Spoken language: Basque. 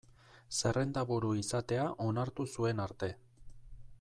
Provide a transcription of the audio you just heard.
Zerrendaburu izatea onartu zuen arte.